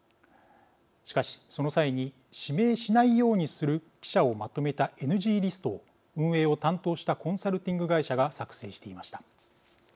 しかし、その際に指名しないようにする記者をまとめたＮＧリストを運営を担当したコンサルティング会社が作成していました。